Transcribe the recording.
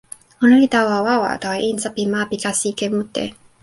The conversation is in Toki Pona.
ona li tawa wawa tawa insa pi ma pi kasi ike mute.